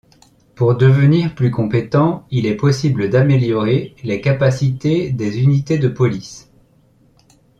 Pour devenir plus compétent, il est possible d'améliorer les capacités des unités de police.